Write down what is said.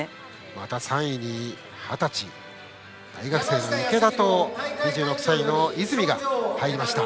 また３位に二十歳の大学生、池田と２６歳の泉が入りました。